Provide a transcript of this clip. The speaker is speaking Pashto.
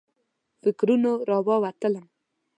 فکرونو راووتلم.